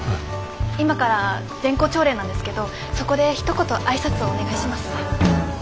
今から全校朝礼なんですけどそこでひと言挨拶をお願いします。